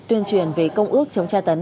tuyên truyền về công ước chống tra tấn